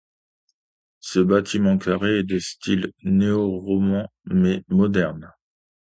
Ce bâtiment carré est de style néo-roman, mais moderne.